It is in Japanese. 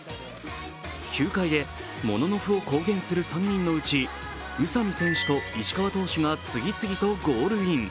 球界でモノノフを公言する３人のうち、宇佐見選手と石川投手が次々とゴールイン。